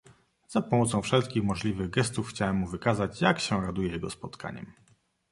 "Za pomocą wszelkich możliwych gestów chciałem mu wykazać, jak się raduję jego spotkaniem."